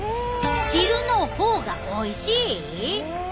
汁のほうがおいしい！？